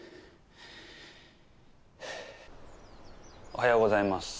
おはようございます。